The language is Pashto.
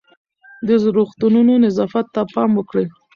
د روغتونونو نظافت ته پام وکړئ.